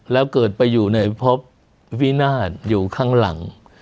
แล้วเกิดไปอยู่ในพบวินาศอยู่ข้างหลัง